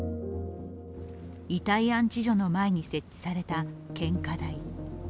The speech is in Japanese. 遺体安置所の前に設置された献花台。